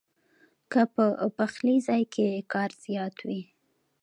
کۀ پۀ پخلي ځائے کښې کار زيات وي